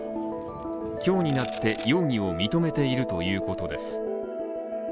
今日になって、容疑を認めているということです。